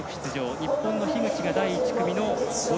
日本の樋口が第１組の５位。